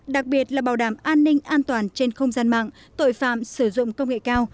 đặc biệt là bảo đảm an ninh an toàn trên không gian mạng tội phạm sử dụng công nghệ cao